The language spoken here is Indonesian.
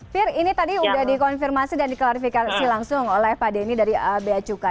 fir ini tadi sudah dikonfirmasi dan diklarifikasi langsung oleh pak denny dari beacuka